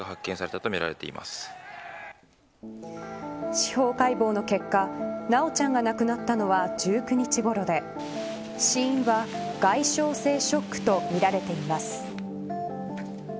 司法解剖の結果修ちゃんが亡くなったのは１９日ごろで死因は外傷性ショックとみられています。